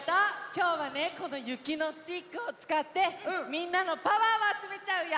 きょうはねこのゆきのスティックをつかってみんなのパワーをあつめちゃうよ！